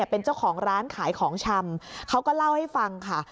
เป็นเจ้าของร้านขายของชำเขาก็เล่าให้ฟังค่ะ